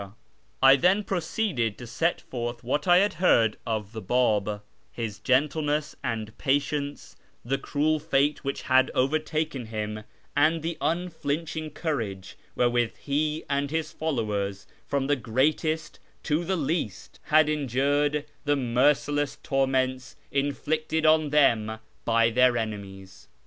I then proceeded to set forth what I had heard of the Biib, his gentleness and patience, the cruel fate which had overtaken him, and the unflinching courage wherewith he and his followers, from the greatest to the least, had endured the merciless torments inflicted on them by their enemies.